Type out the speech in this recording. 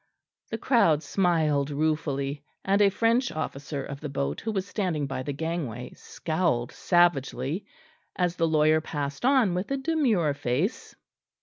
The crowd smiled ruefully; and a French officer of the boat who was standing by the gangway scowled savagely, as the lawyer passed on with a demure face.